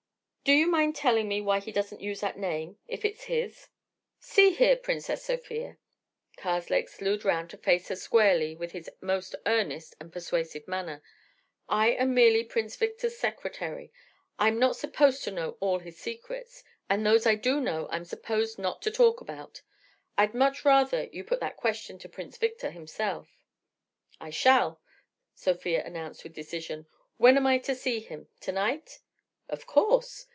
"Do you mind telling me why he doesn't use that name, if it's his?" "See here, Princess Sofia"—Karslake slewed round to face her squarely with his most earnest and persuasive manner—"I am merely Prince Victor's secretary, I'm not supposed to know all his secrets, and those I do know I'm supposed not to talk about. I'd much rather you put that question to Prince Victor yourself." "I shall," Sofia announced with decision. "When am I to see him? To night?" "Of course.